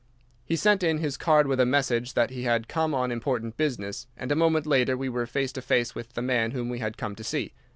He sent in his card with a message that he had come on important business, and a moment later we were face to face with the man whom we had come to see.